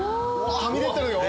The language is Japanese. はみ出てるよ。